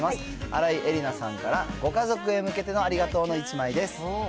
新井恵理那さんから、ご家族へ向けてのありがとうの１枚です。